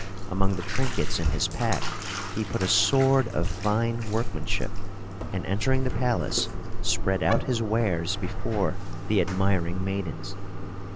Among the trinkets in his pack, he put a sword of fine workmanship, and, entering the palace, spread out his wares before the admiring maidens.